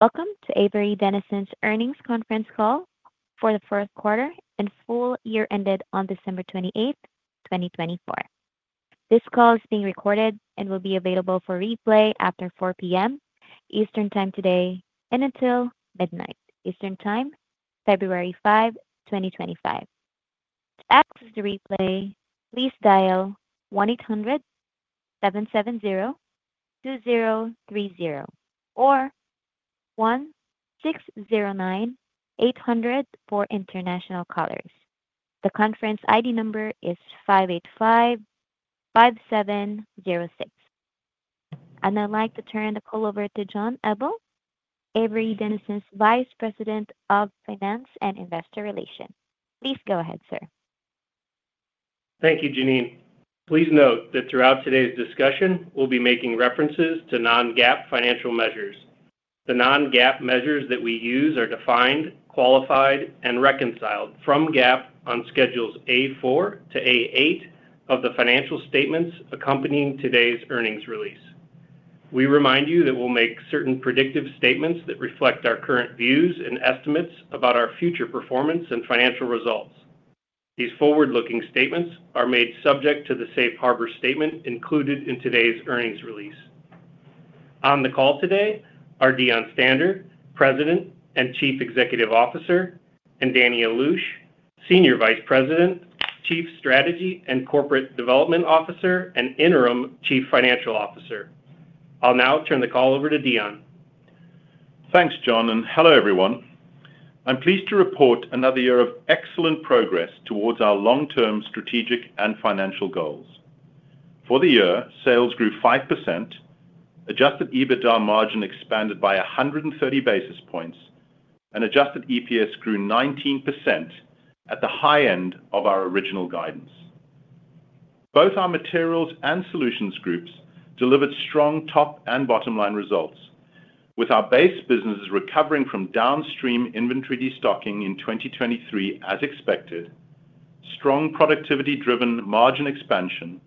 Welcome to Avery Dennison's Earnings Conference Call for the Fourth Quarter, and Full Year ended on December 28, 2024. This call is being recorded and will be available for replay after 4:00 P.M. Eastern Time today and until midnight Eastern Time, February 5, 2025. To access the replay, please dial 1-800-770-2030 or 1-609-800 for international callers. The conference ID number is 585-5706. And I'd like to turn the call over to John Eble, Avery Dennison's Vice President of Finance and Investor Relations. Please go ahead, sir. Thank you, Janine. Please note that throughout today's discussion, we'll be making references to non-GAAP financial measures. The non-GAAP measures that we use are defined, qualified, and reconciled from GAAP on schedules A4 to A8 of the financial statements accompanying today's earnings release. We remind you that we'll make certain predictive statements that reflect our current views and estimates about our future performance and financial results. These forward-looking statements are made subject to the Safe Harbor Statement included in today's earnings release. On the call today are Deon Stander, President and Chief Executive Officer, and Danny Allouche, Senior Vice President, Chief Strategy and Corporate Development Officer, and Interim Chief Financial Officer. I'll now turn the call over to Deon. Thanks, John, and hello, everyone. I'm pleased to report another year of excellent progress towards our long-term strategic and financial goals. For the year, sales grew 5%, adjusted EBITDA margin expanded by 130 basis points, and adjusted EPS grew 19% at the high end of our original guidance. Both our Materials and Solutions Groups delivered strong top and bottom-line results, with our base businesses recovering from downstream inventory destocking in 2023 as expected, strong productivity-driven margin expansion,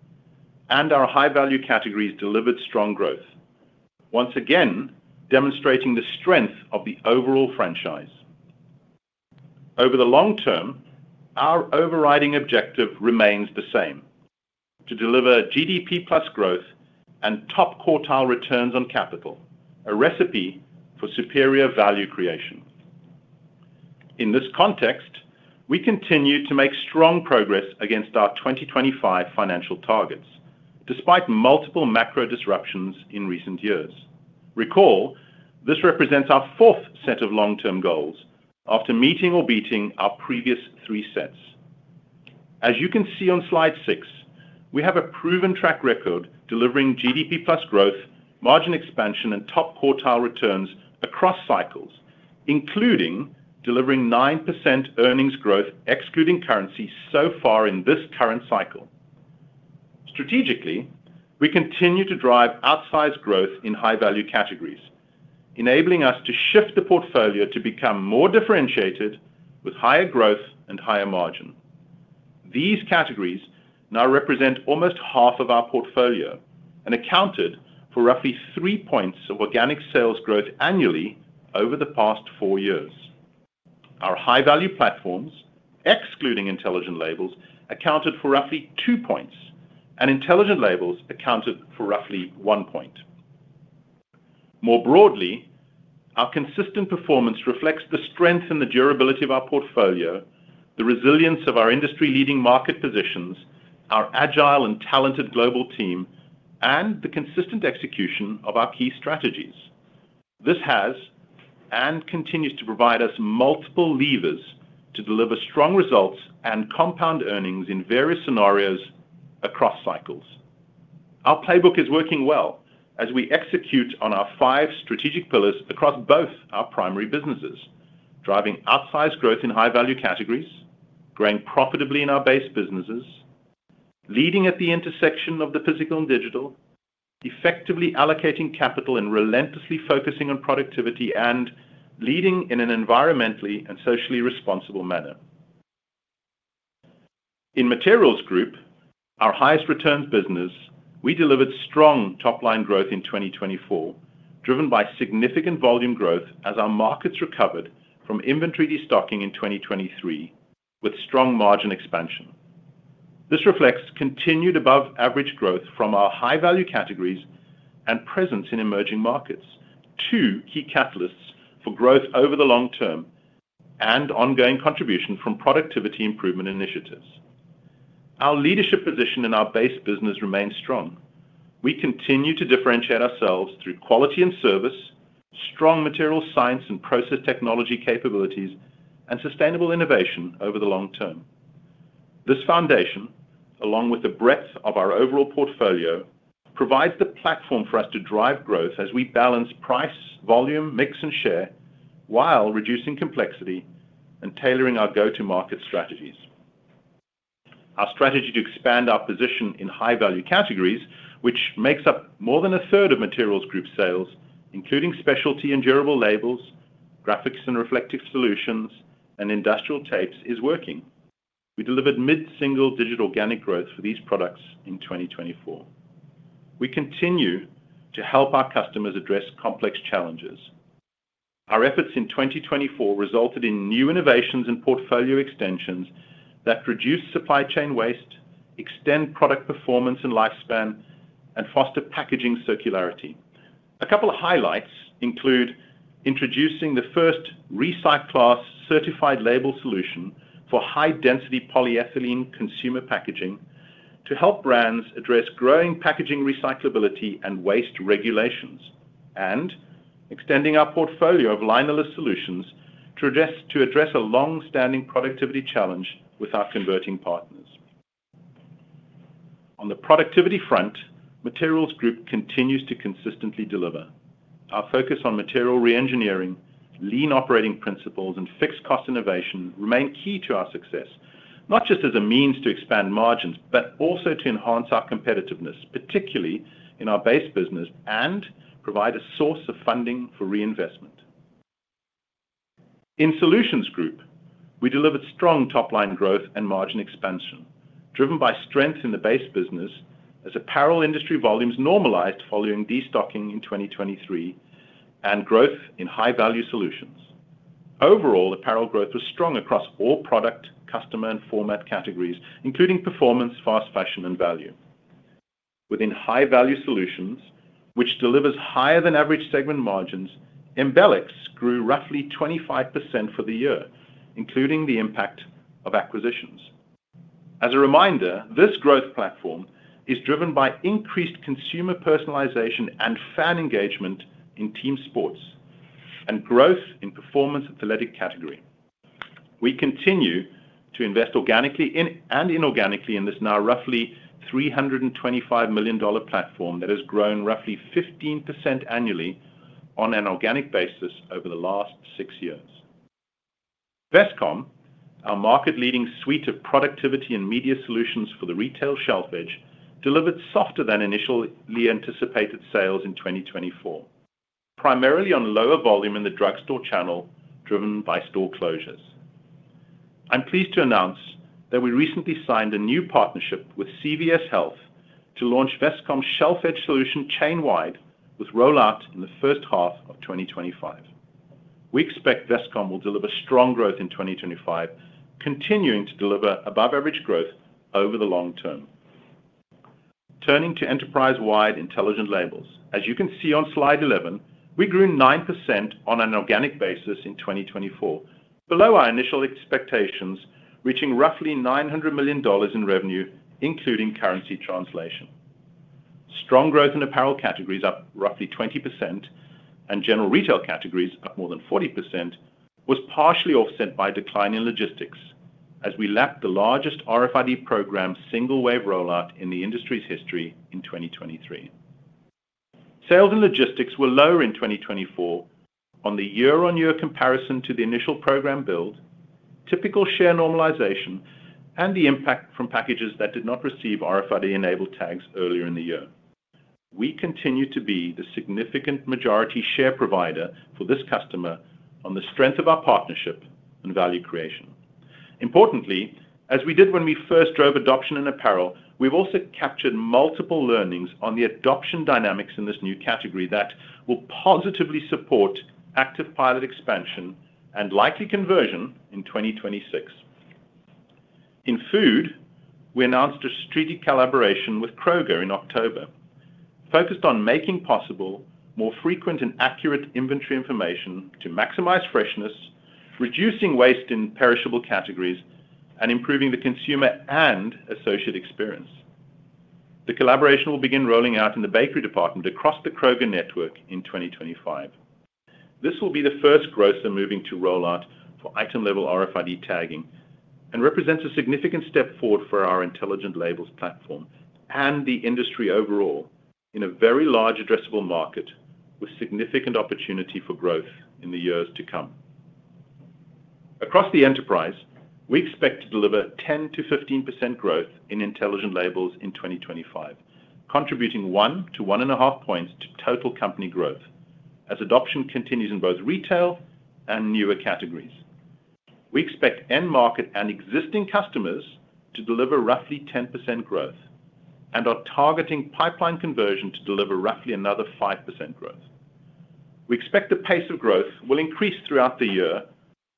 and our high-value categories delivered strong growth, once again demonstrating the strength of the overall franchise. Over the long term, our overriding objective remains the same: to deliver GDP-plus growth and top quartile returns on capital, a recipe for superior value creation. In this context, we continue to make strong progress against our 2025 financial targets, despite multiple macro disruptions in recent years. Recall, this represents our fourth set of long-term goals after meeting or beating our previous three sets. As you can see on slide six, we have a proven track record delivering GDP-plus growth, margin expansion, and top quartile returns across cycles, including delivering 9% earnings growth excluding currency so far in this current cycle. Strategically, we continue to drive outsized growth in high-value categories, enabling us to shift the portfolio to become more differentiated with higher growth and higher margin. These categories now represent almost half of our portfolio and accounted for roughly three points of organic sales growth annually over the past four years. Our high-value platforms, excluding Intelligent Labels, accounted for roughly two points, and Intelligent Labels accounted for roughly one point. More broadly, our consistent performance reflects the strength and the durability of our portfolio, the resilience of our industry-leading market positions, our agile and talented global team, and the consistent execution of our key strategies. This has and continues to provide us multiple levers to deliver strong results and compound earnings in various scenarios across cycles. Our playbook is working well as we execute on our five strategic pillars across both our primary businesses, driving outsized growth in high-value categories, growing profitably in our base businesses, leading at the intersection of the physical and digital, effectively allocating capital and relentlessly focusing on productivity, and leading in an environmentally and socially responsible manner. In Materials Group, our highest returns business, we delivered strong top-line growth in 2024, driven by significant volume growth as our markets recovered from inventory destocking in 2023 with strong margin expansion. This reflects continued above-average growth from our high-value categories and presence in emerging markets, two key catalysts for growth over the long term and ongoing contribution from productivity improvement initiatives. Our leadership position in our base business remains strong. We continue to differentiate ourselves through quality and service, strong materials science and process technology capabilities, and sustainable innovation over the long term. This foundation, along with the breadth of our overall portfolio, provides the platform for us to drive growth as we balance price, volume, mix, and share while reducing complexity and tailoring our go-to-market strategies. Our strategy to expand our position in high-value categories, which makes up more than a third of Materials Group sales, including specialty and durable labels, graphics and reflective solutions, and industrial tapes, is working. We delivered mid-single-digit organic growth for these products in 2024. We continue to help our customers address complex challenges. Our efforts in 2024 resulted in new innovations and portfolio extensions that reduce supply chain waste, extend product performance and lifespan, and foster packaging circularity. A couple of highlights include introducing the first RecyClass certified label solution for high-density polyethylene consumer packaging to help brands address growing packaging recyclability and waste regulations, and extending our portfolio of linerless solutions to address a long-standing productivity challenge with our converting partners. On the productivity front, Materials Group continues to consistently deliver. Our focus on material re-engineering, lean operating principles, and fixed-cost innovation remain key to our success, not just as a means to expand margins, but also to enhance our competitiveness, particularly in our base business, and provide a source of funding for reinvestment. In Solutions Group, we delivered strong top-line growth and margin expansion, driven by strength in the base business as apparel industry volumes normalized following destocking in 2023 and growth in high-value solutions. Overall, apparel growth was strong across all product, customer, and format categories, including performance, fast fashion, and value. Within high-value solutions, which delivers higher-than-average segment margins, Embelex grew roughly 25% for the year, including the impact of acquisitions. As a reminder, this growth platform is driven by increased consumer personalization and fan engagement in team sports and growth in performance athletic category. We continue to invest organically and inorganically in this now roughly $325 million platform that has grown roughly 15% annually on an organic basis over the last six years. Vestcom, our market-leading suite of productivity and media solutions for the retail shelf edge, delivered softer than initially anticipated sales in 2024, primarily on lower volume in the drugstore channel driven by store closures. I'm pleased to announce that we recently signed a new partnership with CVS Health to launch Vestcom's shelf edge solution chain-wide with rollout in the first half of 2025. We expect Vestcom will deliver strong growth in 2025, continuing to deliver above-average growth over the long term. Turning to enterprise-wide Intelligent Labels, as you can see on slide 11, we grew 9% on an organic basis in 2024, below our initial expectations, reaching roughly $900 million in revenue, including currency translation. Strong growth in apparel categories up roughly 20% and general retail categories up more than 40% was partially offset by a decline in logistics as we lapped the largest RFID program single-wave rollout in the industry's history in 2023. Sales and logistics were lower in 2024 on the year-on-year comparison to the initial program build, typical share normalization, and the impact from packages that did not receive RFID-enabled tags earlier in the year. We continue to be the significant majority share provider for this customer on the strength of our partnership and value creation. Importantly, as we did when we first drove adoption in apparel, we've also captured multiple learnings on the adoption dynamics in this new category that will positively support active pilot expansion and likely conversion in 2026. In food, we announced a strategic collaboration with Kroger in October, focused on making possible more frequent and accurate inventory information to maximize freshness, reducing waste in perishable categories, and improving the consumer and associate experience. The collaboration will begin rolling out in the bakery department across the Kroger network in 2025. This will be the first grocer moving to rollout for item-level RFID tagging and represents a significant step forward for our Intelligent Labels platform and the industry overall in a very large addressable market with significant opportunity for growth in the years to come. Across the enterprise, we expect to deliver 10%-15% growth in Intelligent Labels in 2025, contributing one to one and a half points to total company growth as adoption continues in both retail and newer categories. We expect end market and existing customers to deliver roughly 10% growth and are targeting pipeline conversion to deliver roughly another 5% growth. We expect the pace of growth will increase throughout the year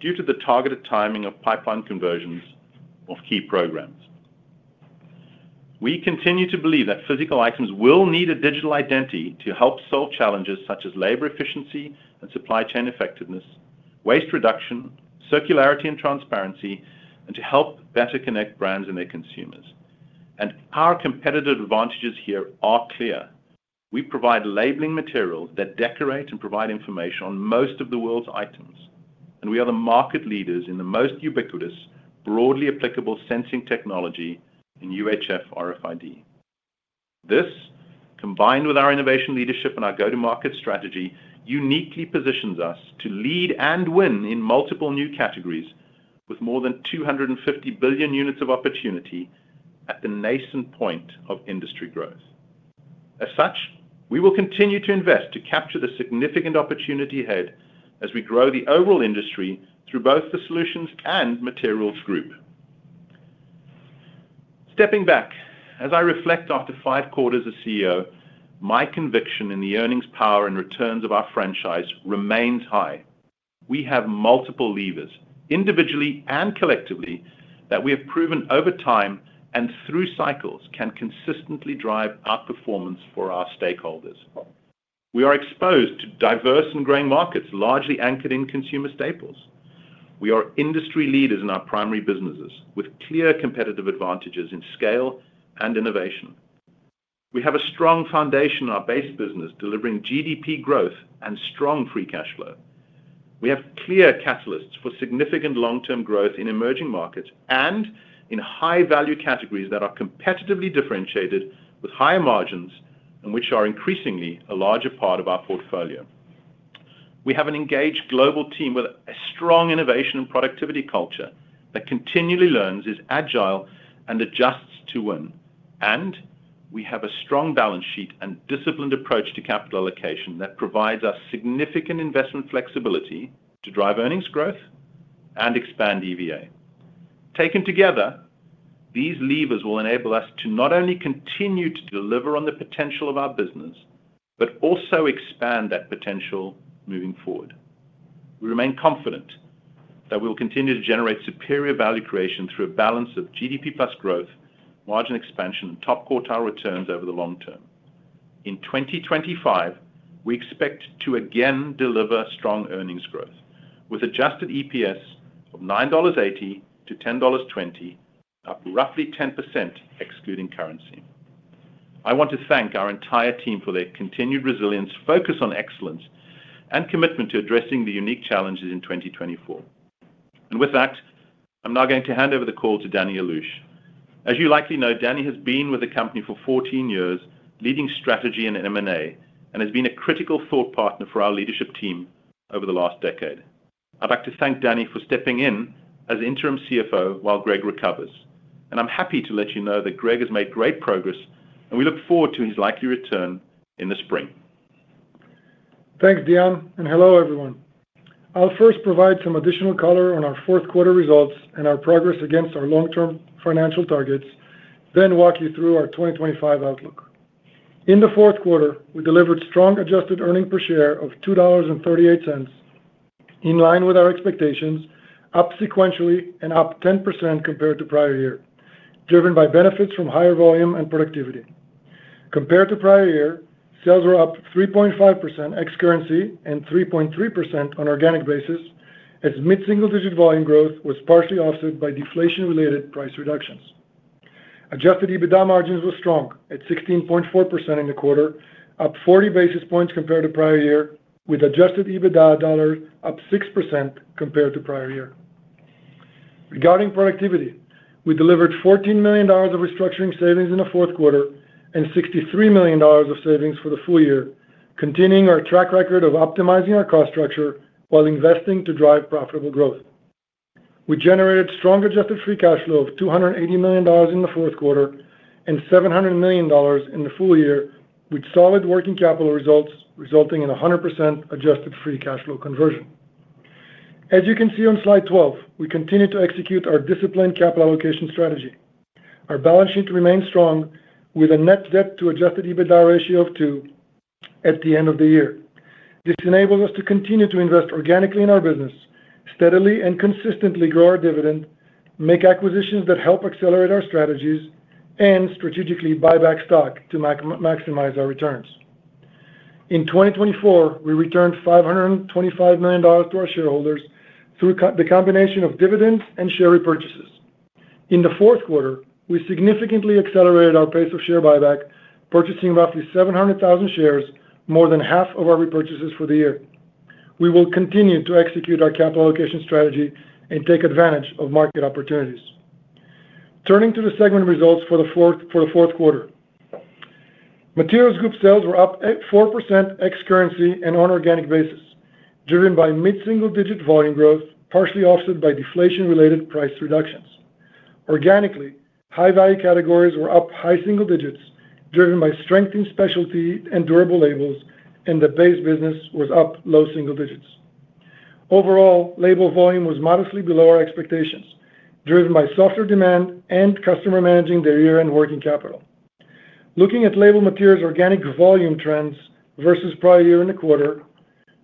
due to the targeted timing of pipeline conversions of key programs. We continue to believe that physical items will need a digital identity to help solve challenges such as labor efficiency and supply chain effectiveness, waste reduction, circularity and transparency, and to help better connect brands and their consumers. Our competitive advantages here are clear. We provide labeling materials that decorate and provide information on most of the world's items, and we are the market leaders in the most ubiquitous, broadly applicable sensing technology in UHF RFID. This, combined with our innovation leadership and our go-to-market strategy, uniquely positions us to lead and win in multiple new categories with more than 250 billion units of opportunity at the nascent point of industry growth. As such, we will continue to invest to capture the significant opportunity ahead as we grow the overall industry through both the Solutions and Materials Group. Stepping back, as I reflect after five quarters as CEO, my conviction in the earnings power and returns of our franchise remains high. We have multiple levers, individually and collectively, that we have proven over time and through cycles can consistently drive our performance for our stakeholders. We are exposed to diverse and growing markets largely anchored in consumer staples. We are industry leaders in our primary businesses with clear competitive advantages in scale and innovation. We have a strong foundation in our base business delivering GDP growth and strong free cash flow. We have clear catalysts for significant long-term growth in emerging markets and in high-value categories that are competitively differentiated with higher margins and which are increasingly a larger part of our portfolio. We have an engaged global team with a strong innovation and productivity culture that continually learns, is agile, and adjusts to win, and we have a strong balance sheet and disciplined approach to capital allocation that provides us significant investment flexibility to drive earnings growth and expand EVA. Taken together, these levers will enable us to not only continue to deliver on the potential of our business, but also expand that potential moving forward. We remain confident that we will continue to generate superior value creation through a balance of GDP plus growth, margin expansion, and top quartile returns over the long term. In 2025, we expect to again deliver strong earnings growth with Adjusted EPS of $9.80-$10.20, up roughly 10% excluding currency. I want to thank our entire team for their continued resilience, focus on excellence, and commitment to addressing the unique challenges in 2024. And with that, I'm now going to hand over the call to Danny Allouche. As you likely know, Danny has been with the company for 14 years, leading strategy and M&A, and has been a critical thought partner for our leadership team over the last decade. I'd like to thank Danny for stepping in as interim CFO while Greg recovers. I'm happy to let you know that Greg has made great progress, and we look forward to his likely return in the spring. Thanks, Deon. Hello, everyone. I'll first provide some additional color on our fourth quarter results and our progress against our long-term financial targets, then walk you through our 2025 outlook. In the fourth quarter, we delivered strong adjusted earnings per share of $2.38, in line with our expectations, up sequentially and up 10% compared to prior year, driven by benefits from higher volume and productivity. Compared to prior year, sales were up 3.5% ex-currency and 3.3% on organic basis as mid-single digit volume growth was partially offset by deflation-related price reductions. Adjusted EBITDA margins were strong at 16.4% in the quarter, up 40 basis points compared to prior year, with adjusted EBITDA dollars up 6% compared to prior year. Regarding productivity, we delivered $14 million of restructuring savings in the fourth quarter and $63 million of savings for the full year, continuing our track record of optimizing our cost structure while investing to drive profitable growth. We generated strong adjusted free cash flow of $280 million in the fourth quarter and $700 million in the full year with solid working capital results resulting in 100% adjusted free cash flow conversion. As you can see on slide 12, we continue to execute our disciplined capital allocation strategy. Our balance sheet remains strong with a net debt to adjusted EBITDA ratio of 2 at the end of the year. This enables us to continue to invest organically in our business, steadily and consistently grow our dividend, make acquisitions that help accelerate our strategies, and strategically buy back stock to maximize our returns. In 2024, we returned $525 million to our shareholders through the combination of dividends and share repurchases. In the fourth quarter, we significantly accelerated our pace of share buyback, purchasing roughly 700,000 shares, more than half of our repurchases for the year. We will continue to execute our capital allocation strategy and take advantage of market opportunities. Turning to the segment results for the fourth quarter, Materials Group sales were up 4% ex-currency and on organic basis, driven by mid-single digit volume growth, partially offset by deflation-related price reductions. Organically, high-value categories were up high single digits, driven by strength in specialty and durable labels, and the base business was up low single digits. Overall, label volume was modestly below our expectations, driven by softer demand and customer managing their year-end working capital. Looking at Label Materials organic volume trends versus prior year in the quarter,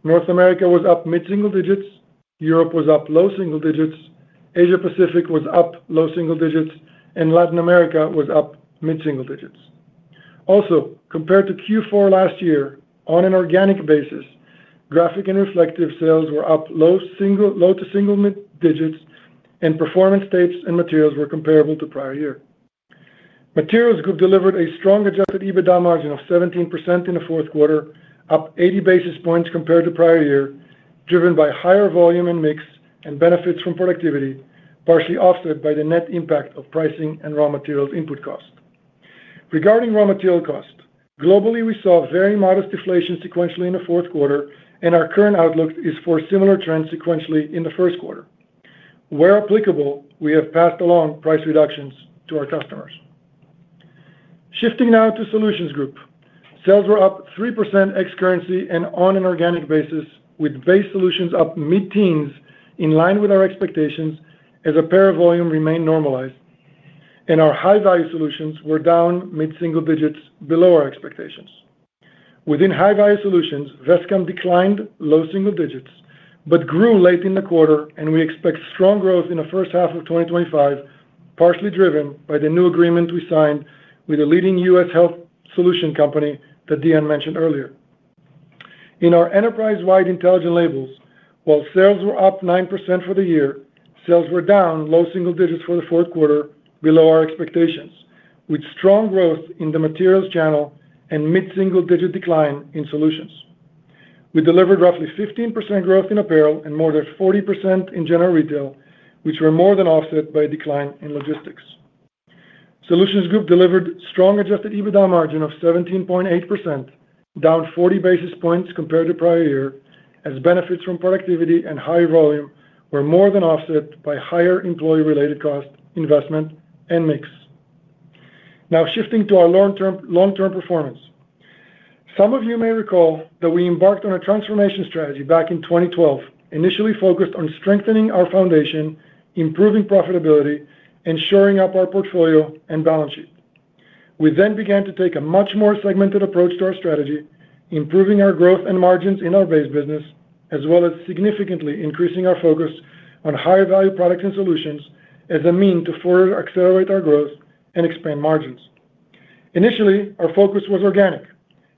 North America was up mid-single digits, Europe was up low single digits, Asia-Pacific was up low single digits, and Latin America was up mid-single digits. Also, compared to Q4 last year, on an organic basis, Graphics and Reflectives sales were up low to single digits, and Performance Tapes and Materials were comparable to prior year. Materials Group delivered a strong Adjusted EBITDA margin of 17% in the fourth quarter, up 80 basis points compared to prior year, driven by higher volume and mix and benefits from productivity, partially offset by the net impact of pricing and raw materials input cost. Regarding raw material cost, globally, we saw very modest deflation sequentially in the fourth quarter, and our current outlook is for similar trends sequentially in the first quarter. Where applicable, we have passed along price reductions to our customers. Shifting now to Solutions Group, sales were up 3% ex-currency and on an organic basis, with base solutions up mid-teens in line with our expectations as apparel volume remained normalized, and our high-value solutions were down mid-single digits below our expectations. Within high-value solutions, Vestcom declined low single digits but grew late in the quarter, and we expect strong growth in the first half of 2025, partially driven by the new agreement we signed with a leading US health solution company that Deon mentioned earlier. In our enterprise-wide intelligent labels, while sales were up 9% for the year, sales were down low single digits for the fourth quarter below our expectations, with strong growth in the materials channel and mid-single digit decline in solutions. We delivered roughly 15% growth in apparel and more than 40% in general retail, which were more than offset by a decline in logistics. Solutions Group delivered strong Adjusted EBITDA margin of 17.8%, down 40 basis points compared to prior year, as benefits from productivity and high volume were more than offset by higher employee-related cost, investment, and mix. Now, shifting to our long-term performance. Some of you may recall that we embarked on a transformation strategy back in 2012, initially focused on strengthening our foundation, improving profitability, and shoring up our portfolio and balance sheet. We then began to take a much more segmented approach to our strategy, improving our growth and margins in our base business, as well as significantly increasing our focus on higher-value products and solutions as a means to further accelerate our growth and expand margins. Initially, our focus was organic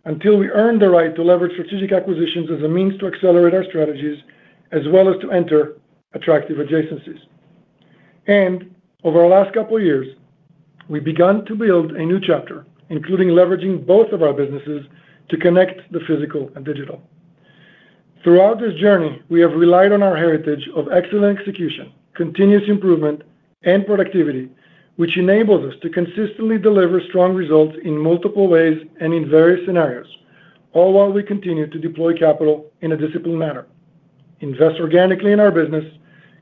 until we earned the right to leverage strategic acquisitions as a means to accelerate our strategies, as well as to enter attractive adjacencies. And over the last couple of years, we began to build a new chapter, including leveraging both of our businesses to connect the physical and digital. Throughout this journey, we have relied on our heritage of excellent execution, continuous improvement, and productivity, which enables us to consistently deliver strong results in multiple ways and in various scenarios, all while we continue to deploy capital in a disciplined manner, invest organically in our business,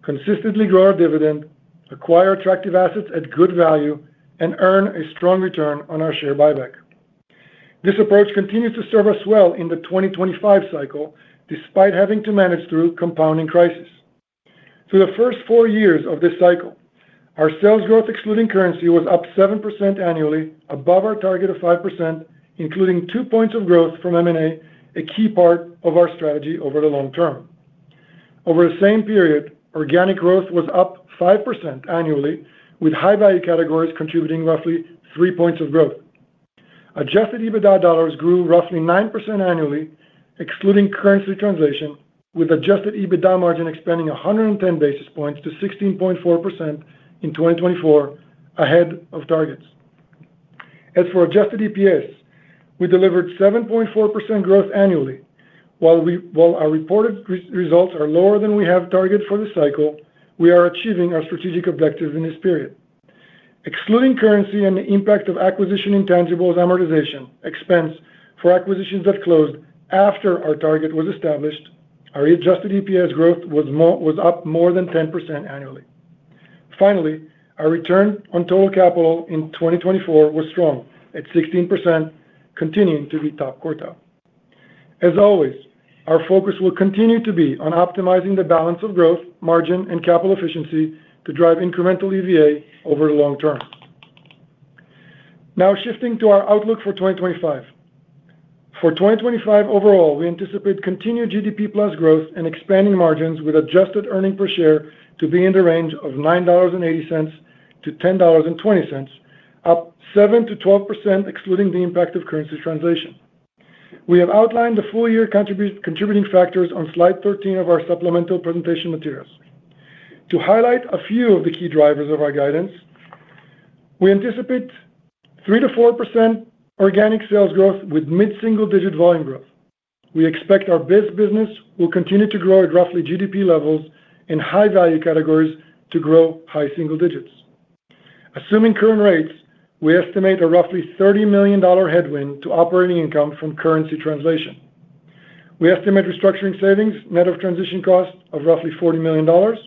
consistently grow our dividend, acquire attractive assets at good value, and earn a strong return on our share buyback. This approach continues to serve us well in the 2025 cycle, despite having to manage through compounding crises. Through the first four years of this cycle, our sales growth excluding currency was up 7% annually, above our target of 5%, including two points of growth from M&A, a key part of our strategy over the long term. Over the same period, organic growth was up 5% annually, with high-value categories contributing roughly three points of growth. Adjusted EBITDA dollars grew roughly 9% annually, excluding currency translation, with Adjusted EBITDA margin expanding 110 basis points to 16.4% in 2024, ahead of targets. As for Adjusted EPS, we delivered 7.4% growth annually. While our reported results are lower than we have targeted for the cycle, we are achieving our strategic objectives in this period. Excluding currency and the impact of acquisition intangibles amortization expense for acquisitions that closed after our target was established, our Adjusted EPS growth was up more than 10% annually. Finally, our return on total capital in 2024 was strong at 16%, continuing to be top quartile. As always, our focus will continue to be on optimizing the balance of growth, margin, and capital efficiency to drive incremental EVA over the long term. Now, shifting to our outlook for 2025. For 2025 overall, we anticipate continued GDP plus growth and expanding margins with adjusted earnings per share to be in the range of $9.80-$10.20, up 7%-12% excluding the impact of currency translation. We have outlined the full-year contributing factors on slide 13 of our supplemental presentation materials. To highlight a few of the key drivers of our guidance, we anticipate 3%-4% organic sales growth with mid-single digit volume growth. We expect our base business will continue to grow at roughly GDP levels in high-value categories to grow high single digits. Assuming current rates, we estimate a roughly $30 million headwind to operating income from currency translation. We estimate restructuring savings, net of transition cost, of roughly $40 million.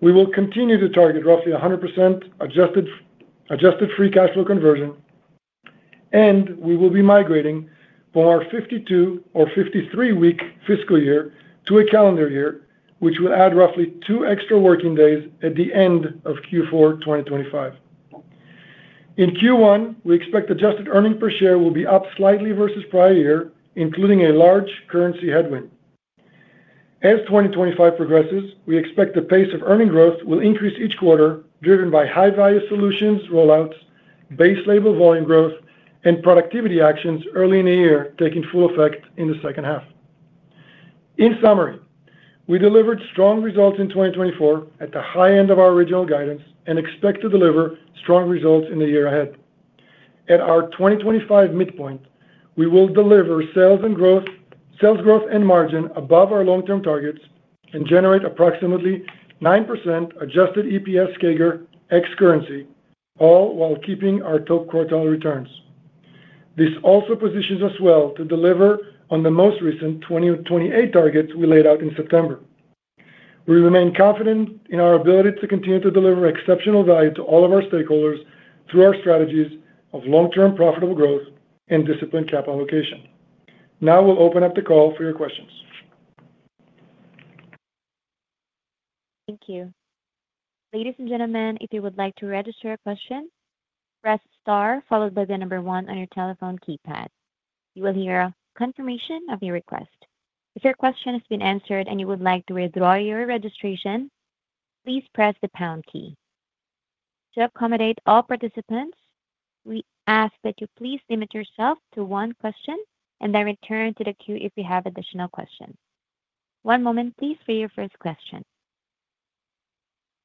We will continue to target roughly 100% adjusted free cash flow conversion, and we will be migrating from our 52 or 53-week fiscal year to a calendar year, which will add roughly two extra working days at the end of Q4 2025. In Q1, we expect adjusted earnings per share will be up slightly versus prior year, including a large currency headwind. As 2025 progresses, we expect the pace of earnings growth will increase each quarter, driven by high-value solutions rollouts, base label volume growth, and productivity actions early in the year taking full effect in the second half. In summary, we delivered strong results in 2024 at the high end of our original guidance and expect to deliver strong results in the year ahead. At our 2025 midpoint, we will deliver sales and growth, sales growth and margin above our long-term targets and generate approximately 9% adjusted EPS CAGR ex-currency, all while keeping our top quartile returns. This also positions us well to deliver on the most recent 2028 targets we laid out in September. We remain confident in our ability to continue to deliver exceptional value to all of our stakeholders through our strategies of long-term profitable growth and disciplined capital allocation. Now we'll open up the call for your questions. Thank you. Ladies and gentlemen, if you would like to register a question, press star followed by the number one on your telephone keypad. You will hear a confirmation of your request. If your question has been answered and you would like to withdraw your registration, please press the pound key. To accommodate all participants, we ask that you please limit yourself to one question and then return to the queue if you have additional questions. One moment, please, for your first question.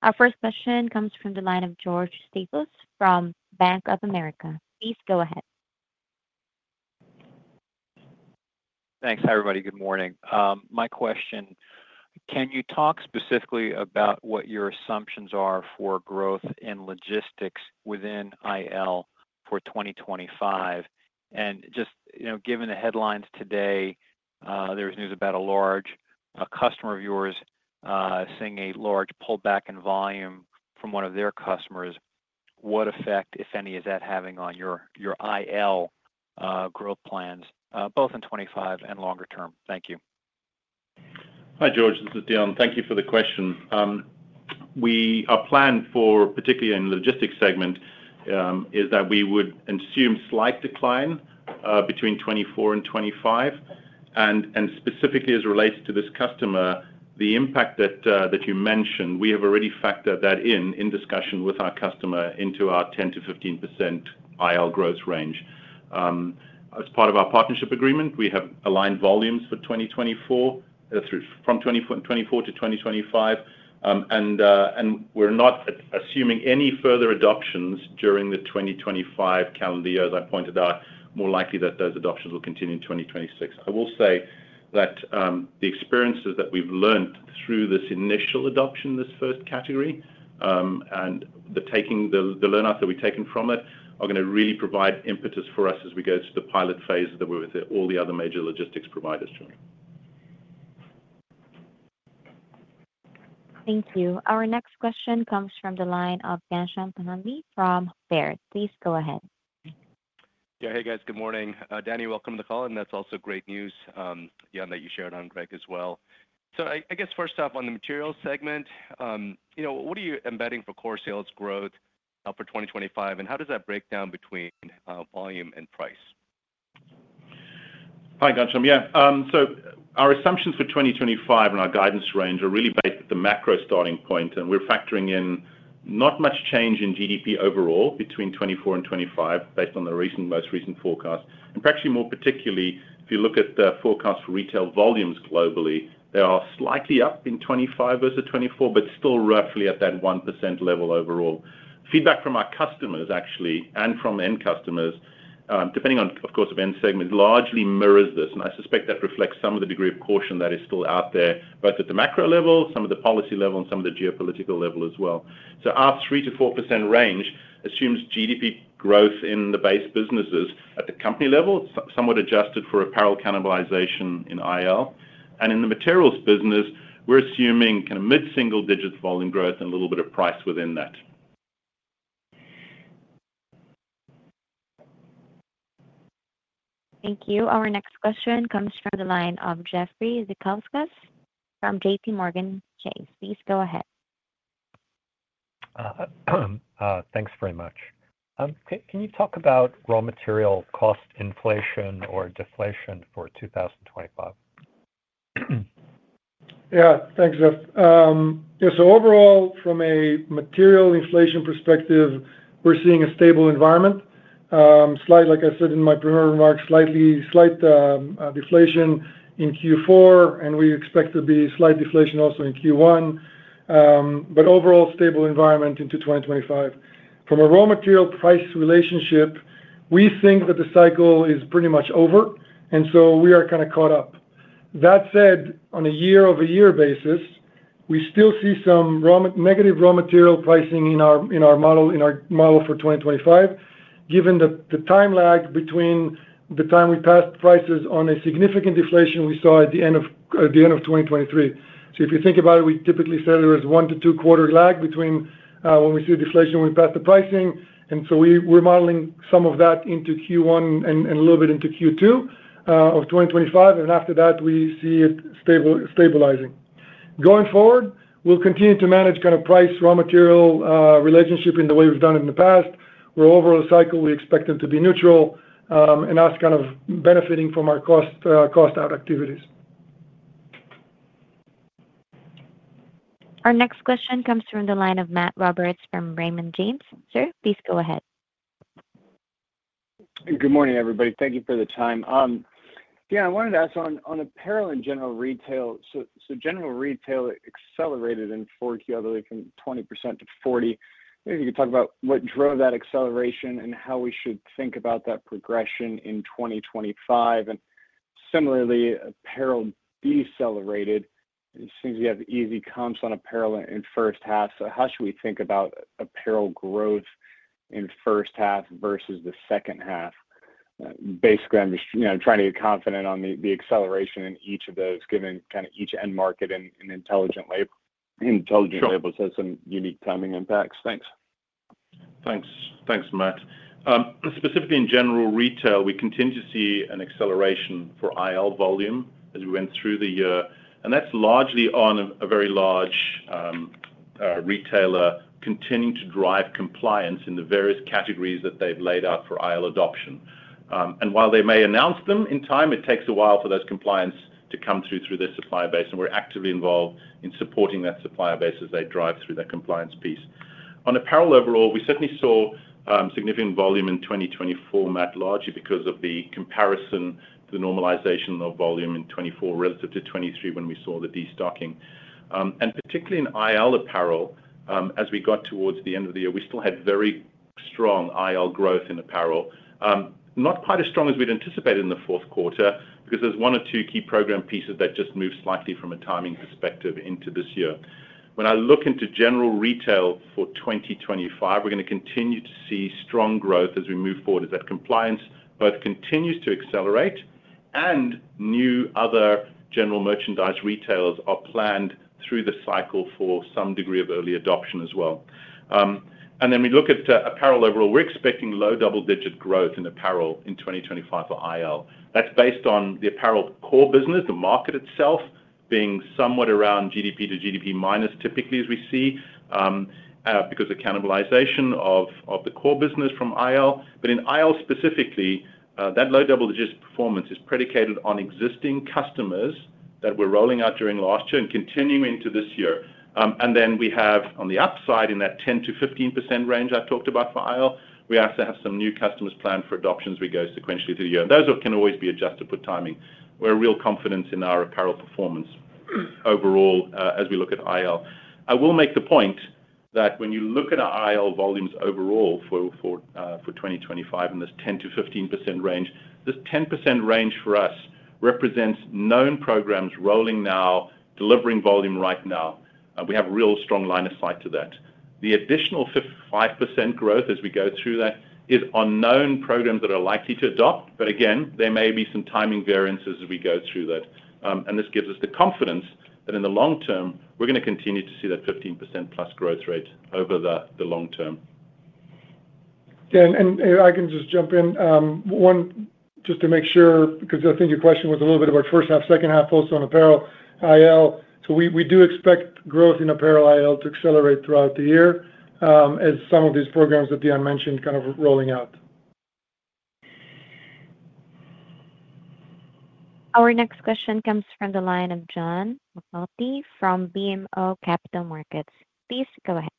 Our first question comes from the line of George Staphos from Bank of America. Please go ahead. Thanks, everybody. Good morning. My question: Can you talk specifically about what your assumptions are for growth and logistics within IL for 2025? And just given the headlines today, there was news about a large customer of yours seeing a large pullback in volume from one of their customers. What effect, if any, is that having on your IL growth plans, both in 25 and longer term? Thank you. Hi, George. This is Deon. Thank you for the question. Our plan for particularly in the logistics segment is that we would assume slight decline between 2024 and 2025. Specifically as it relates to this customer, the impact that you mentioned, we have already factored that in discussion with our customer into our 10%-15% IL growth range. As part of our partnership agreement, we have aligned volumes for 2024 from 2024 to 2025. We're not assuming any further adoptions during the 2025 calendar year. As I pointed out, more likely that those adoptions will continue in 2026. I will say that the experiences that we've learned through this initial adoption, this first category, and the learning that we've taken from it are going to really provide impetus for us as we go to the pilot phase that we're with all the other major logistics providers joining. Thank you. Our next question comes from the line of Ghansham Panjabi from Baird. Please go ahead. Yeah, hey, guys. Good morning. Danny, welcome to the call. And that's also great news, Deon, that you shared on Greg as well. So I guess first off, on the materials segment, what are you embedding for core sales growth for 2025? And how does that break down between volume and price? Hi, Ghansham. Yeah. So our assumptions for 2025 and our guidance range are really based on the macro starting point. And we're factoring in not much change in GDP overall between 2024 and 2025 based on the most recent forecast. And perhaps more particularly, if you look at the forecast for retail volumes globally, they are slightly up in 2025 versus 2024, but still roughly at that 1% level overall. Feedback from our customers, actually, and from end customers, depending on, of course, of end segments, largely mirrors this. And I suspect that reflects some of the degree of caution that is still out there, both at the macro level, some of the policy level, and some of the geopolitical level as well. So our 3% to 4% range assumes GDP growth in the base businesses at the company level, somewhat adjusted for apparel cannibalization in IL. And in the materials business, we're assuming kind of mid-single digit volume growth and a little bit of price within that. Thank you. Our next question comes from the line of Jeffrey Zekauskas from JPMorgan Chase. Please go ahead. Thanks very much. Can you talk about raw material cost inflation or deflation for 2025? Yeah, thanks, Jeff. So overall, from a material inflation perspective, we're seeing a stable environment. Like I said in my preliminary remarks, slight deflation in Q4, and we expect to be slight deflation also in Q1, but overall, stable environment into 2025. From a raw material price relationship, we think that the cycle is pretty much over, and so we are kind of caught up. That said, on a year-over-year basis, we still see some negative raw material pricing in our model for 2025, given the time lag between the time we passed prices on a significant deflation we saw at the end of 2023. So if you think about it, we typically said there was one- to two-quarter lag between when we see deflation when we pass the pricing, and so we're modeling some of that into Q1 and a little bit into Q2 of 2025, and after that, we see it stabilizing. Going forward, we'll continue to manage kind of price-raw material relationship in the way we've done it in the past, where overall cycle we expect them to be neutral and us kind of benefiting from our cost-out activities. Our next question comes from the line of Matt Roberts from Raymond James. Sir, please go ahead. Good morning, everybody. Thank you for the time. Deon, I wanted to ask on apparel and general retail. So general retail accelerated in 4Q, I believe, from 20% to 40%. Maybe you could talk about what drove that acceleration and how we should think about that progression in 2025. And similarly, apparel decelerated. It seems we have easy comps on apparel in the first half. So how should we think about apparel growth in the first half versus the second half? Basically, I'm just trying to get confident on the acceleration in each of those, given kind of each end market and intelligent labels has some unique timing impacts. Thanks. Thanks, Matt. Specifically in general retail, we continue to see an acceleration for IL volume as we went through the year. And that's largely on a very large retailer continuing to drive compliance in the various categories that they've laid out for IL adoption. And while they may announce them in time, it takes a while for those compliance to come through their supply base. And we're actively involved in supporting that supply base as they drive through that compliance piece. On apparel overall, we certainly saw significant volume in 2024, Matt, largely because of the comparison to the normalization of volume in 2024 relative to 2023 when we saw the destocking. Particularly in IL apparel, as we got towards the end of the year, we still had very strong IL growth in apparel. Not quite as strong as we'd anticipated in the fourth quarter because there's one or two key program pieces that just moved slightly from a timing perspective into this year. When I look into general retail for 2025, we're going to continue to see strong growth as we move forward as that compliance both continues to accelerate and new other general merchandise retailers are planned through the cycle for some degree of early adoption as well. Then we look at apparel overall, we're expecting low double-digit growth in apparel in 2025 for IL. That's based on the apparel core business, the market itself being somewhat around GDP to GDP minus typically as we see because of cannibalization of the core business from IL. In IL specifically, that low double-digit performance is predicated on existing customers that we're rolling out during last year and continuing into this year. Then we have on the upside in that 10%-15% range I talked about for IL, we also have some new customers planned for adoption as we go sequentially through the year. Those can always be adjusted for timing. We're real confident in our apparel performance overall as we look at IL. I will make the point that when you look at our IL volumes overall for 2025 in this 10%-15% range, this 10% range for us represents known programs rolling now, delivering volume right now. We have a real strong line of sight to that. The additional 5% growth as we go through that is on known programs that are likely to adopt. But again, there may be some timing variances as we go through that. And this gives us the confidence that in the long term, we're going to continue to see that 15% plus growth rate over the long term. And if I can just jump in, just to make sure, because I think your question was a little bit about first half, second half, also on apparel, IL. So we do expect growth in apparel IL to accelerate throughout the year as some of these programs that Deon mentioned kind of rolling out. Our next question comes from the line of John McNulty from BMO Capital Markets. Please go ahead.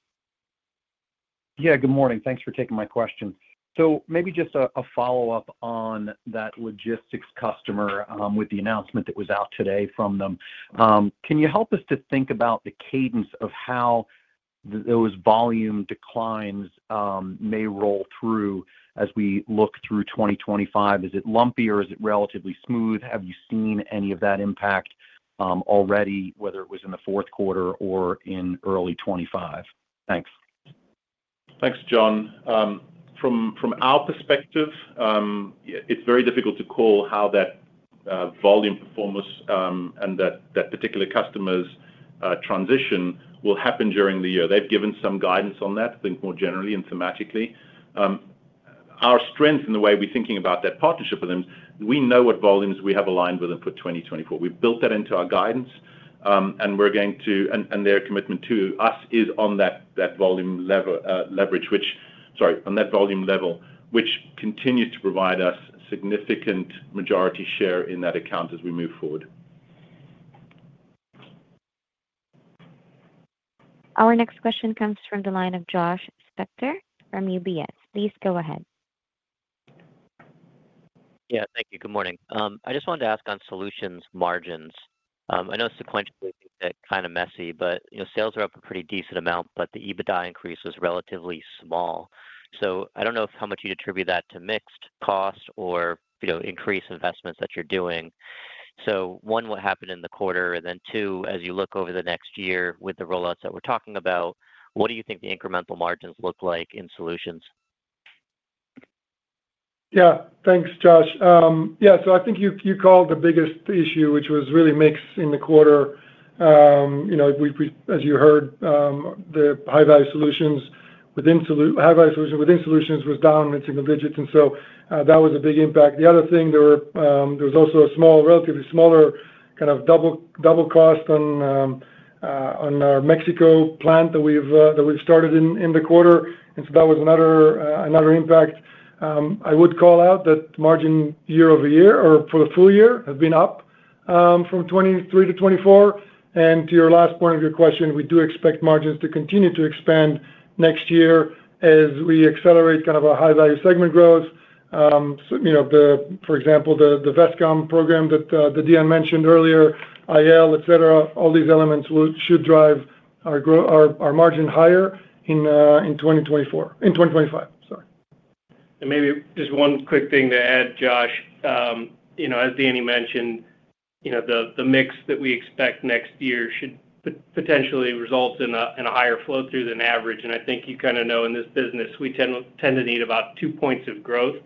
Yeah, good morning. Thanks for taking my question. So maybe just a follow-up on that logistics customer with the announcement that was out today from them. Can you help us to think about the cadence of how those volume declines may roll through as we look through 2025? Is it lumpy or is it relatively smooth? Have you seen any of that impact already, whether it was in the fourth quarter or in early 2025? Thanks. Thanks, John. From our perspective, it's very difficult to call how that volume performance and that particular customer's transition will happen during the year. They've given some guidance on that, I think, more generally and thematically. Our strength in the way we're thinking about that partnership with them, we know what volumes we have aligned with them for 2024. We've built that into our guidance. And their commitment to us is on that volume leverage, sorry, on that volume level, which continues to provide us a significant majority share in that account as we move forward. Our next question comes from the line of Josh Spector from UBS. Please go ahead. Yeah, thank you. Good morning. I just wanted to ask on solutions margins. I know sequentially that's kind of messy, but sales are up a pretty decent amount, but the EBITDA increase was relatively small. So I don't know how much you'd attribute that to mix, cost or increased investments that you're doing. So one, what happened in the quarter? And then two, as you look over the next year with the rollouts that we're talking about, what do you think the incremental margins look like in solutions? Yeah, thanks, Josh. Yeah, so I think you called the biggest issue, which was really mix in the quarter. As you heard, the high-value solutions within solutions was down in single digits. And so that was a big impact. The other thing, there was also a relatively smaller kind of double cost on our Mexico plant that we've started in the quarter, and so that was another impact. I would call out that margin year over year or for the full year has been up from 23% to 24%. To your last point of your question, we do expect margins to continue to expand next year as we accelerate kind of our high-value segment growth. For example, the Vestcom program that Deon mentioned earlier, IL, et cetera, all these elements should drive our margin higher in 2024. In 2025, sorry. Maybe just one quick thing to add, Josh. As Danny mentioned, the mix that we expect next year should potentially result in a higher flow-through than average. And I think you kind of know in this business, we tend to need about two points of growth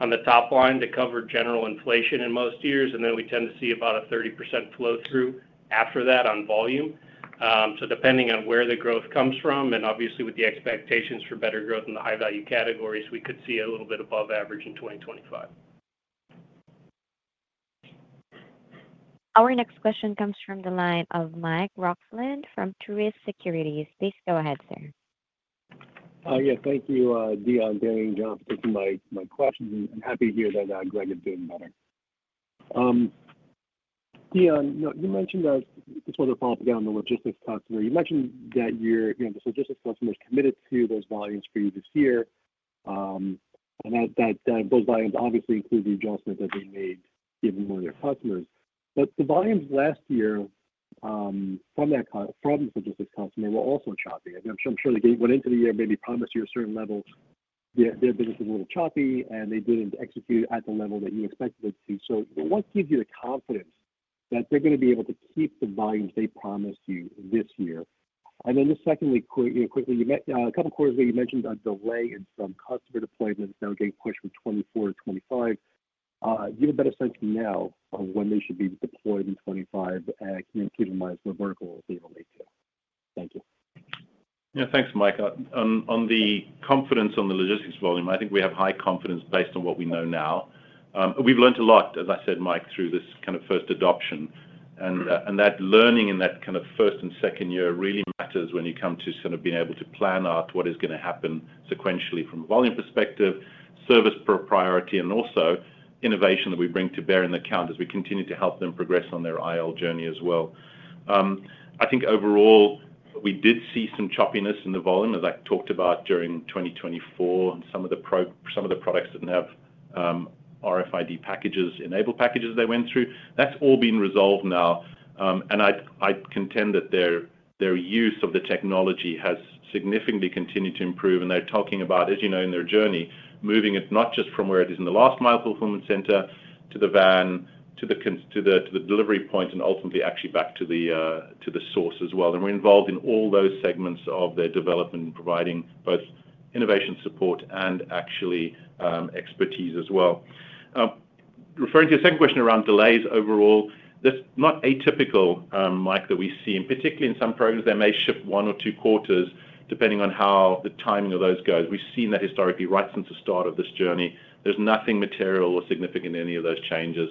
on the top line to cover general inflation in most years. And then we tend to see about a 30% flow-through after that on volume. So depending on where the growth comes from and obviously with the expectations for better growth in the high-value categories, we could see a little bit above average in 2025. Our next question comes from the line of Mike Roxland from Truist Securities. Please go ahead, sir. Yeah, thank you, Deon, Danny, and John for taking my questions. I'm happy to hear that Greg is doing better. Deon, you mentioned this was a follow-up again on the logistics customer. You mentioned that this logistics customer is committed to those volumes for you this year. And those volumes obviously include the adjustments that they made given where their customers are. But the volumes last year from the logistics customer were also choppy. I'm sure they went into the year, maybe promised you a certain level, their business was a little choppy, and they didn't execute at the level that you expected it to. So what gives you the confidence that they're going to be able to keep the volumes they promised you this year? And then just secondly, quickly, a couple of quarters ago, you mentioned a delay in some customer deployments that were getting pushed from 2024 to 2025. Do you have a better sense now of when they should be deployed in 2025, keeping in mind some verticals they relate to? Thank you. Yeah, thanks, Mike. On the confidence on the logistics volume, I think we have high confidence based on what we know now. We've learned a lot, as I said, Mike, through this kind of first adoption. And that learning in that kind of first and second year really matters when you come to sort of being able to plan out what is going to happen sequentially from a volume perspective, service priority, and also innovation that we bring to bear in the account as we continue to help them progress on their IL journey as well. I think overall, we did see some choppiness in the volume, as I talked about during 2024, and some of the products that have RFID packages, enabled packages they went through. That's all been resolved now. And I contend that their use of the technology has significantly continued to improve. They're talking about, as you know, in their journey, moving it not just from where it is in the last mile performance center to the van, to the delivery point, and ultimately actually back to the source as well. We're involved in all those segments of their development and providing both innovation support and actually expertise as well. Referring to your second question around delays overall, there's not atypical, Mike, that we see. Particularly in some programs, they may shift one or two quarters depending on how the timing of those goes. We've seen that historically right since the start of this journey. There's nothing material or significant in any of those changes.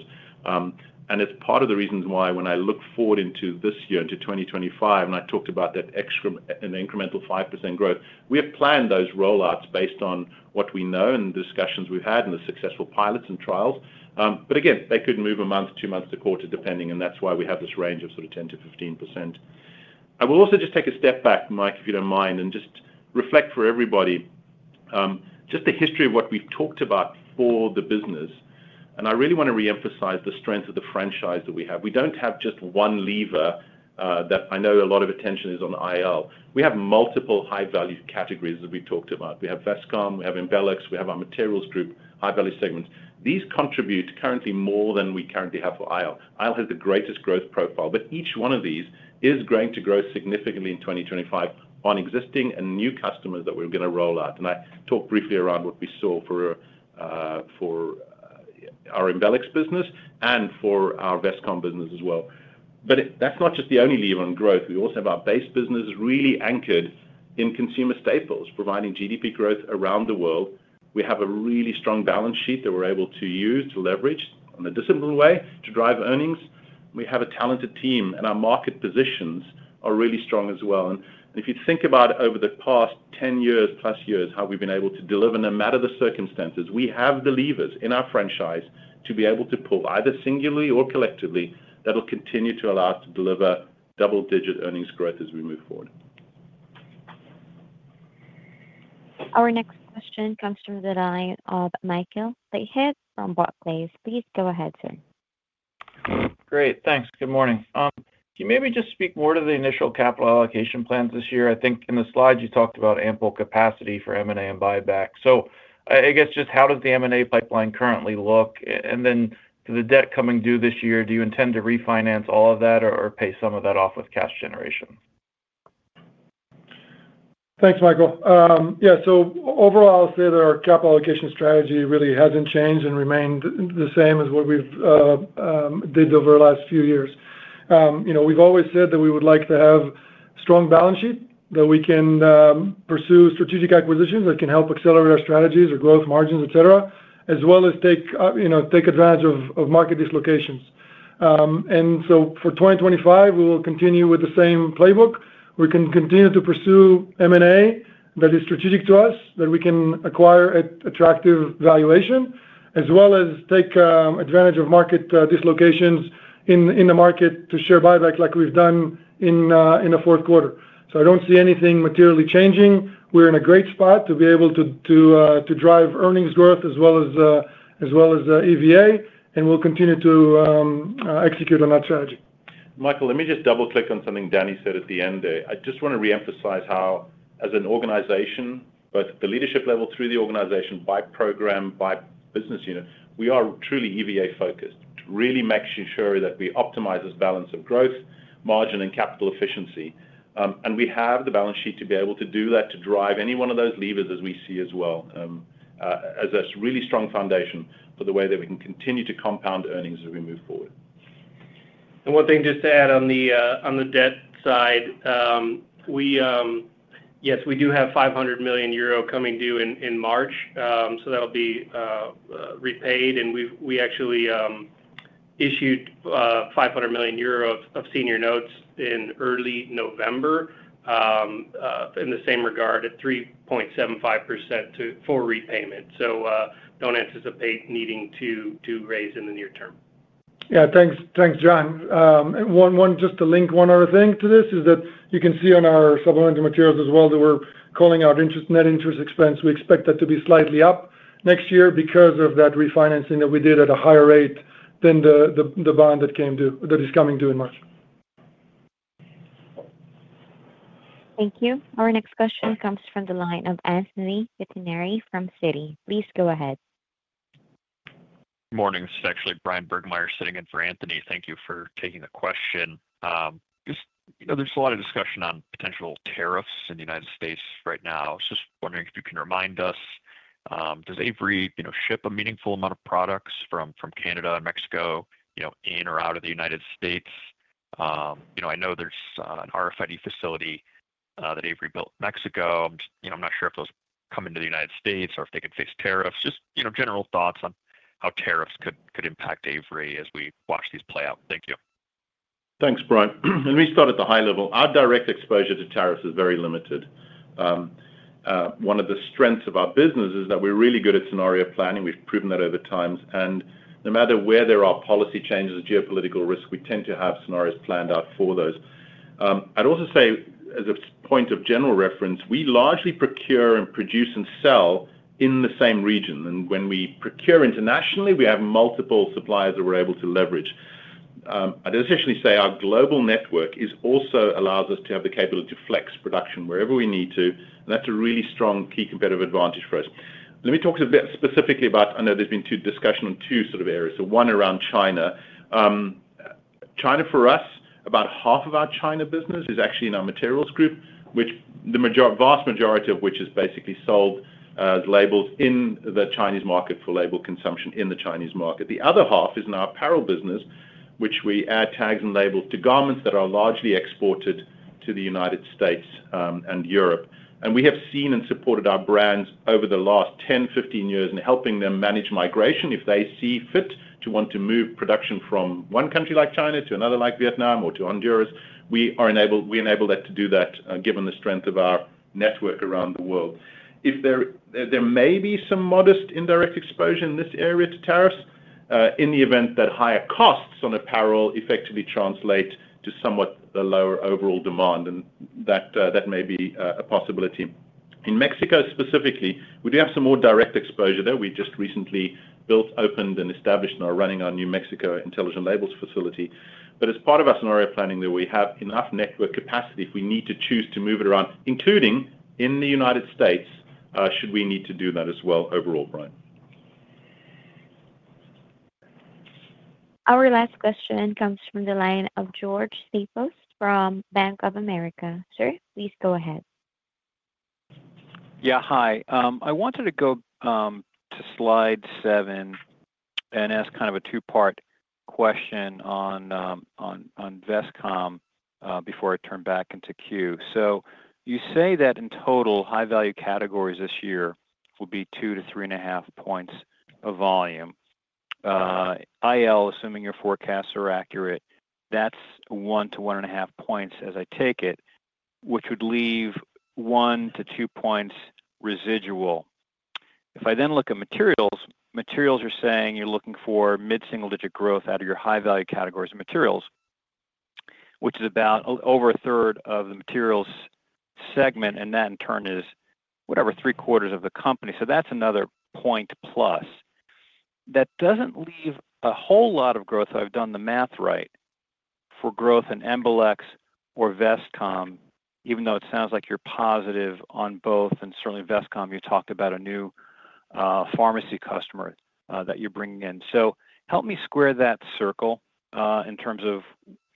It's part of the reasons why when I look forward into this year, into 2025, and I talked about that incremental 5% growth, we have planned those rollouts based on what we know and the discussions we've had and the successful pilots and trials. But again, they could move a month, two months to quarter, depending. That's why we have this range of sort of 10%-15%. I will also just take a step back, Mike, if you don't mind, and just reflect for everybody just the history of what we've talked about for the business. I really want to reemphasize the strength of the franchise that we have. We don't have just one lever that I know a lot of attention is on IL. We have multiple high-value categories that we've talked about. We have Vestcom, we have Embelex, we have our Materials Group, high-value segments. These contribute currently more than we currently have for IL. IL has the greatest growth profile, but each one of these is going to grow significantly in 2025 on existing and new customers that we're going to roll out. And I talked briefly around what we saw for our Embelex business and for our Vestcom business as well. But that's not just the only lever on growth. We also have our base business really anchored in consumer staples, providing GDP growth around the world. We have a really strong balance sheet that we're able to use to leverage in a discipline way to drive earnings. We have a talented team, and our market positions are really strong as well. If you think about over the past 10-plus years, how we've been able to deliver no matter the circumstances, we have the levers in our franchise to be able to pull either singularly or collectively that will continue to allow us to deliver double-digit earnings growth as we move forward. Our next question comes from the line of Michael Leithead from Barclays. Please go ahead, sir. Great. Thanks. Good morning. Can you maybe just speak more to the initial capital allocation plans this year? I think in the slide, you talked about ample capacity for M&A and buyback. So I guess just how does the M&A pipeline currently look? And then for the debt coming due this year, do you intend to refinance all of that or pay some of that off with cash generation? Thanks, Michael. Yeah, so overall, I'll say that our capital allocation strategy really hasn't changed and remained the same as what we've did over the last few years. We've always said that we would like to have a strong balance sheet that we can pursue strategic acquisitions that can help accelerate our strategies or growth margins, et cetera, as well as take advantage of market dislocations, and so for 2025, we will continue with the same playbook. We can continue to pursue M&A that is strategic to us, that we can acquire at attractive valuation, as well as take advantage of market dislocations in the market to share buyback like we've done in the fourth quarter, so I don't see anything materially changing. We're in a great spot to be able to drive earnings growth as well as EVA, and we'll continue to execute on that strategy. Michael, let me just double-click on something Danny said at the end there. I just want to reemphasize how, as an organization, both at the leadership level through the organization, by program, by business unit, we are truly EVA-focused, really making sure that we optimize this balance of growth, margin, and capital efficiency. And we have the balance sheet to be able to do that, to drive any one of those levers as we see as well, as a really strong foundation for the way that we can continue to compound earnings as we move forward. And one thing just to add on the debt side, yes, we do have 500 million euro coming due in March. So that'll be repaid. And we actually issued 500 million euro of senior notes in early November in the same regard at 3.75% for repayment. So don't anticipate needing to raise in the near term. Yeah, thanks, John. And just to link one other thing to this is that you can see on our supplemental materials as well that we're calling out net interest expense. We expect that to be slightly up next year because of that refinancing that we did at a higher rate than the bond that is coming due in March. Thank you. Our next question comes from the line of Anthony Pettinari from Citi. Please go ahead. Good morning. This is actually Bryan Burgmeier sitting in for Anthony. Thank you for taking the question. There's a lot of discussion on potential tariffs in the United States right now. I was just wondering if you can remind us, does Avery ship a meaningful amount of products from Canada and Mexico in or out of the United States? I know there's an RFID facility that Avery built in Mexico. I'm not sure if those come into the United States or if they can face tariffs. Just general thoughts on how tariffs could impact Avery as we watch these play out. Thank you. Thanks, Brian. Let me start at the high level. Our direct exposure to tariffs is very limited. One of the strengths of our business is that we're really good at scenario planning. We've proven that over time, and no matter where there are policy changes or geopolitical risks, we tend to have scenarios planned out for those. I'd also say, as a point of general reference, we largely procure and produce and sell in the same region, and when we procure internationally, we have multiple suppliers that we're able to leverage. I'd additionally say our global network also allows us to have the capability to flex production wherever we need to. That's a really strong key competitive advantage for us. Let me talk a bit specifically about. I know there's been two discussions on two sort of areas. One around China. China for us, about half of our China business is actually in our Materials Group, which the vast majority of which is basically sold as labels in the Chinese market for label consumption in the Chinese market. The other half is in our apparel business, which we add tags and labels to garments that are largely exported to the United States and Europe. We have seen and supported our brands over the last 10, 15 years in helping them manage migration if they see fit to want to move production from one country like China to another like Vietnam or to Honduras. We enable that to do that given the strength of our network around the world. There may be some modest indirect exposure in this area to tariffs in the event that higher costs on apparel effectively translate to somewhat lower overall demand. That may be a possibility. In Mexico specifically, we do have some more direct exposure there. We just recently built, opened, and established and are running our new Mexico Intelligent Labels facility. But as part of our scenario planning, we have enough network capacity if we need to choose to move it around, including in the United States should we need to do that as well overall, Brian. Our last question comes from the line of George Staphos from Bank of America. Sir, please go ahead. Yeah, hi. I wanted to go to slide seven and ask kind of a two-part question on Vestcom before I turn back into Q. You say that in total, high-value categories this year will be two to three and a half points of volume. IL, assuming your forecasts are accurate, that's one to one and a half points as I take it, which would leave one to two points residual. If I then look at materials, materials are saying you're looking for mid-single-digit growth out of your high-value categories of materials, which is about over a third of the materials segment. And that in turn is, whatever, three quarters of the company. That's another point plus. That doesn't leave a whole lot of growth if I've done the math right for growth in Embelex or Vestcom, even though it sounds like you're positive on both. And certainly, Vestcom, you talked about a new pharmacy customer that you're bringing in. So help me square that circle in terms of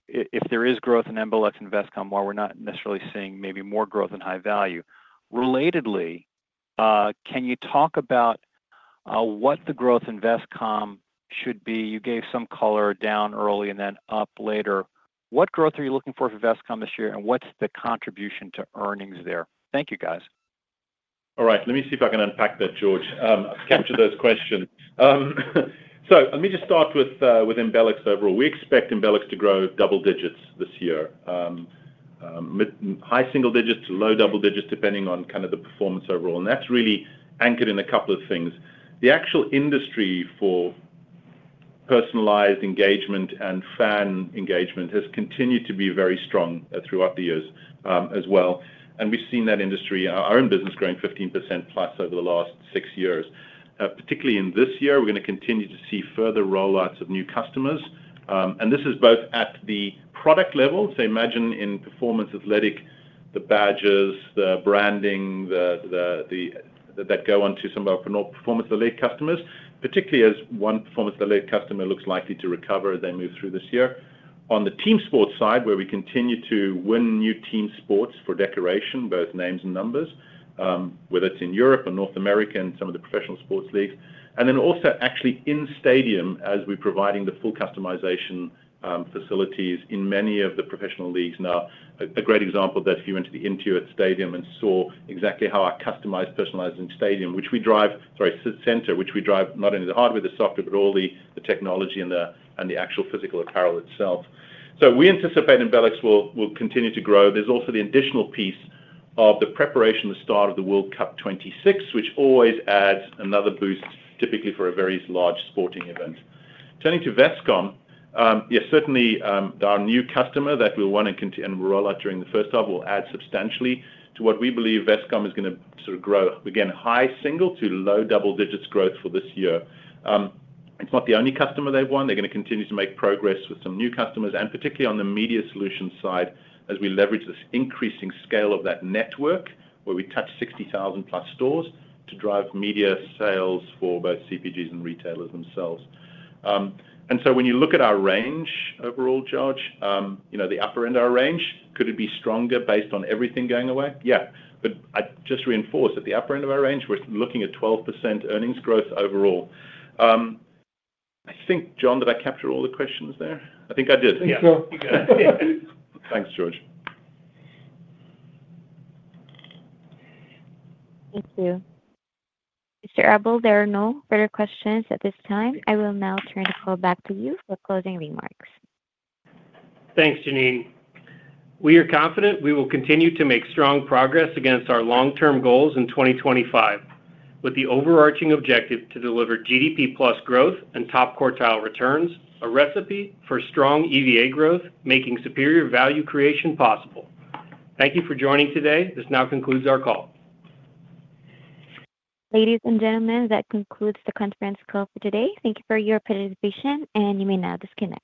if there is growth in Embelex and Vestcom, why we're not necessarily seeing maybe more growth in high value. Relatedly, can you talk about what the growth in Vestcom should be? You gave some color down early and then up later. What growth are you looking for for Vestcom this year? And what's the contribution to earnings there? Thank you, guys. All right. Let me see if I can unpack that, George. I've captured those questions. So let me just start with Embelex overall. We expect Embelex to grow double digits this year, high single digits to low double digits depending on kind of the performance overall. And that's really anchored in a couple of things. The actual industry for personalized engagement and fan engagement has continued to be very strong throughout the years as well. And we've seen that industry, our own business, growing 15% plus over the last six years. Particularly in this year, we're going to continue to see further rollouts of new customers. And this is both at the product level. So imagine in performance athletic, the badges, the branding that go on to some of our performance-related customers, particularly as one performance-related customer looks likely to recover as they move through this year. On the team sports side, where we continue to win new team sports for decoration, both names and numbers, whether it's in Europe or North America and some of the professional sports leagues. And then also actually in stadium as we're providing the full customization facilities in many of the professional leagues. Now, a great example of that is if you went to the Intuit Dome and saw exactly how our customized personalized stadium, which we drive, sorry, center, which we drive not only the hardware, the software, but all the technology and the actual physical apparel itself. So we anticipate Embelex will continue to grow. There's also the additional piece of the preparation of the start of the World Cup 26, which always adds another boost, typically for a very large sporting event. Turning to Vestcom, yeah, certainly our new customer that we'll win and roll out during the first half will add substantially to what we believe Vestcom is going to sort of grow, again, high single- to low double-digits growth for this year. It's not the only customer they've won. They're going to continue to make progress with some new customers, and particularly on the media solution side as we leverage this increasing scale of that network where we touch 60,000 plus stores to drive media sales for both CPGs and retailers themselves. And so when you look at our range overall, George, the upper end of our range, could it be stronger based on everything going away? Yeah. But I just reinforce at the upper end of our range, we're looking at 12% earnings growth overall. I think, John, did I capture all the questions there? I think I did. Yeah. Thanks, George. Thank you. Mr. Eble, there are no further questions at this time. I will now turn the call back to you for closing remarks. Thanks, Janine. We are confident we will continue to make strong progress against our long-term goals in 2025 with the overarching objective to deliver GDP plus growth and top quartile returns, a recipe for strong EVA growth making superior value creation possible. Thank you for joining today. This now concludes our call. Ladies and gentlemen, that concludes the conference call for today. Thank you for your participation, and you may now disconnect.